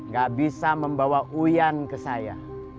gak bisa membawa uyan ke saya